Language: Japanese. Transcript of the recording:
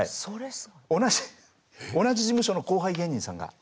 同じ同じ事務所の後輩芸人さんがはい。